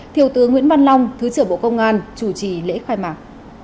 thiếu tướng nguyễn văn long thứ trưởng bộ công an chủ trì lễ khai mạc